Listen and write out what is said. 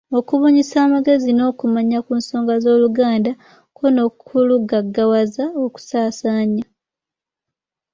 Okubunyisa amagezi n’okumanya ku nsonga z’Oluganda ko n’okulugaggawaza Okusaasaanya